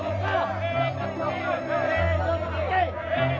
sekarang kita kena pulang dari voyage dua